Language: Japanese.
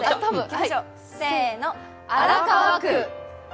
せーの、荒川区。